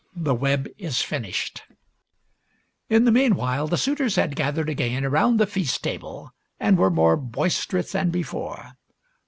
THE WEB IS FINISHED In the meanwhile the suitors had gathered again around the feast table and were more boister ous than before.